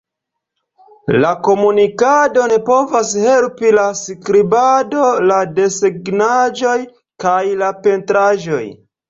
La komunikadon povas helpi la skribado, la desegnaĵoj kaj la pentraĵoj.